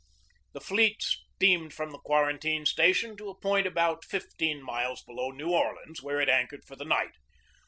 The fleet steamed from the quarantine station to a point about fifteen miles below New Orleans, where it anchored for the night.